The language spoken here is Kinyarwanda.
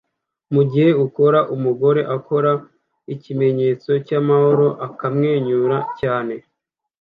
Mugihe ukora umugore akora ikimenyetso cyamahoro akamwenyura cyane